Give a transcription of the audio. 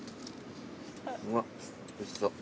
うわおいしそう。